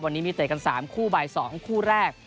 วันนี้มีเตะกัน๓คู่บ่าย๒คู่แรก